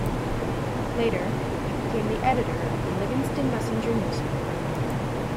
Later, he became the editor of the "Livingston Messenger" newspaper.